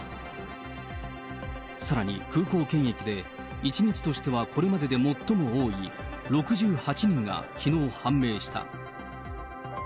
さらに空港検疫で１日としてはこれまでで最も多い６８人がきのう判明した。